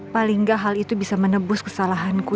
paling gak hal itu bisa menebus kesalahanku